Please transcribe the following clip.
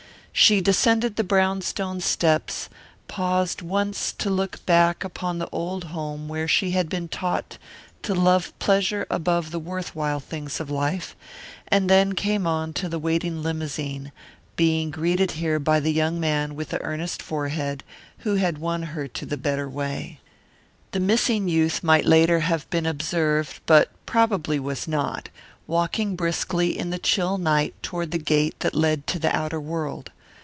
She descended the brown stone steps, paused once to look back upon the old home where she had been taught to love pleasure above the worth while things of life, then came on to the waiting limousine, being greeted here by the young man with the earnest forehead who had won her to the better way. The missing youth might later have been observed, but probably was not, walking briskly in the chill night toward the gate that led to the outer world.